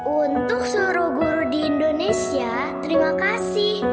untuk seluruh guru di indonesia terima kasih